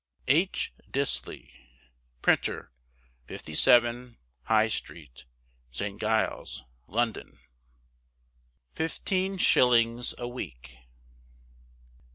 H. Disley, Printer, 57, High Street, St. Giles, London. FIFTEEN SHILLINGS A WEEK.